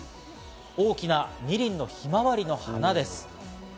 大きな２輪のヒマワリの花です。